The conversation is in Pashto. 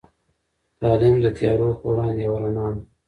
تعلیم د تيارو په وړاندې یوه رڼا ده.